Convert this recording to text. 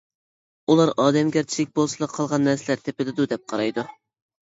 ئۇلار: «ئادەمگەرچىلىكى بولسىلا قالغان نەرسىلەر تېپىلىدۇ» دەپ قارايدۇ.